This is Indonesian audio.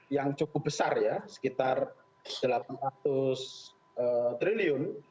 yang cukup besar ya sekitar delapan ratus triliun